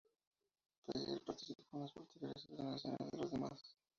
Page participó en las posteriores ordenaciones de los demás.